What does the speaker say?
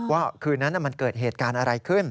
คืนนั้นมันเกิดเหตุการณ์อะไรขึ้น